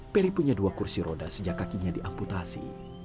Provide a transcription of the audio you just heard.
peri punya dua kursi roda sejak kakinya diamputasi